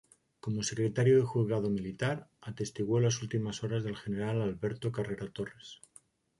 Como secretario del juzgado militar, atestiguó las últimas horas del general Alberto Carrera Torres.